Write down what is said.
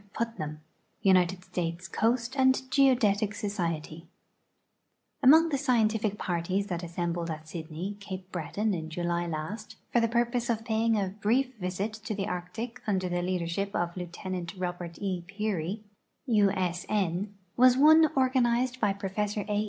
Putnam, United Stales Coast and Geodetic Survey Among the scientific i>arties that assenihlcd at Sy(hie\', Ca|)e Breton, in July hist, for the purpose of paying a brief visit to the Arctic under the leadership of Lieutenant Robert E. Pear}', U. S. N., was one organized by Professor A.